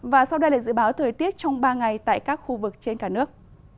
và sau đây là dự báo thời tiết trong ba ngày tại các khu vực trên cả nước